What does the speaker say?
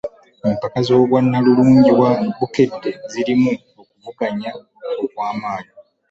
Empaka z'obwannalulungi wa bukedde zirimu okuvuganya okwamaanyi.